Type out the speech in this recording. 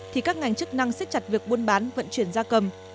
thì các ngành chức năng xích chặt việc buôn bán vận chuyển gia cầm